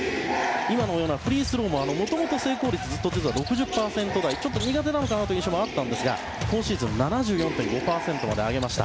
今のようなフリースローももともと成功率は６０％台とちょっと苦手なのかなという印象もありましたが今シーズンは７４．５％まで上げました。